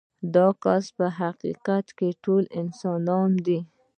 دا کسان په حقیقت کې ټول انسانان دي.